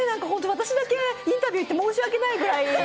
私だけインタビューに行って申し訳ないぐらい。